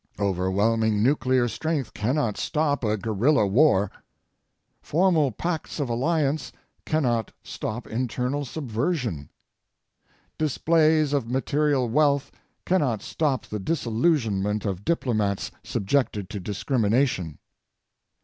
Overwhelming nuclear strength cannot stop a guerrilla war. Formal pacts of alliance cannot stop internal subversion. Displays of material wealth cannot stop the disillusionment of diplomats subjected to discrimination.